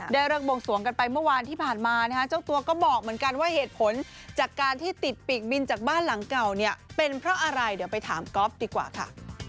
เลิกวงสวงกันไปเมื่อวานที่ผ่านมานะฮะเจ้าตัวก็บอกเหมือนกันว่าเหตุผลจากการที่ติดปีกบินจากบ้านหลังเก่าเนี่ยเป็นเพราะอะไรเดี๋ยวไปถามก๊อฟดีกว่าค่ะ